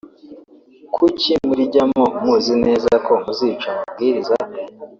kuki murijyamo muzi neza ko muzica amabwiriza